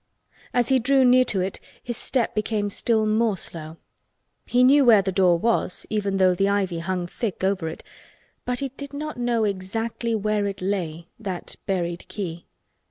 As he drew near to it his step became still more slow. He knew where the door was even though the ivy hung thick over it—but he did not know exactly where it lay—that buried key.